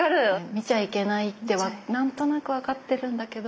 見ちゃいけないってなんとなく分かってるんだけど。